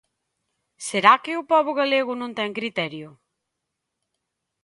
¿Será que o pobo galego non ten criterio?